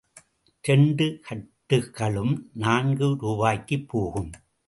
இரண்டு கட்டுக்களும் நான்கு ரூபாய்க்குப் போகும்.